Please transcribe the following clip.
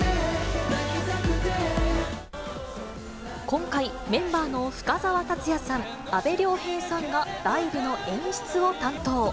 今回、メンバーの深澤辰哉さん、阿部亮平さんがライブの演出を担当。